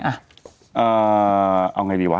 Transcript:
เอ่อเอาอย่างไรดีวะ